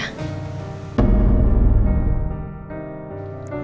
kau nyalain mama dulu ya